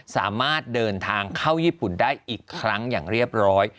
สามารถเดินทางเข้าญี่ปุ่นได้อีกครั้งอย่างเรียบร้อย